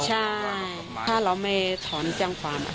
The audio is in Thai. ใช่ถ้าเราไม่ถอนแจ้งความ